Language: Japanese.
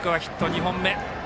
２本目。